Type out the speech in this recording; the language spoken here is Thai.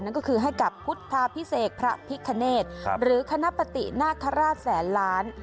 นั่นก็คือให้กับพุทธาพิเศษพระพิคเนธหรือคณะปฏินาคาราชแสนล้าน